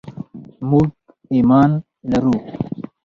موږ ایمان لرو.